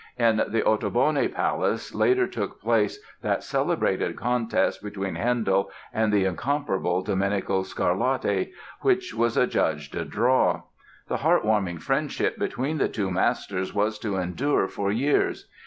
In the Ottoboni palace later took place that celebrated contest between Handel and the incomparable Domenico Scarlatti, which was adjudged a draw. The heart warming friendship between the two masters was to endure for years.